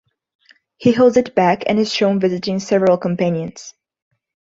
He holds it back and is shown visiting several companions.